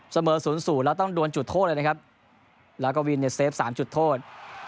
เสมอ๐๐แล้วต้องดวนจุดโทษเลยนะครับแล้วก็วินเนี่ยเซฟ๓จุดโทษ